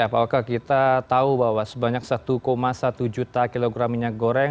pak oke kita tahu bahwa sebanyak satu satu juta kilogram minyak goreng